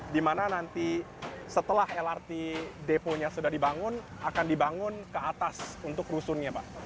dimana nanti setelah lrt deponya sudah dibangun akan dibangun ke atas untuk rusunnya pak